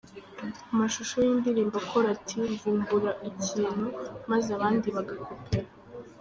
mashusho yindirimbo akora ati Mvumbura ibintu maze abandi bagakopera.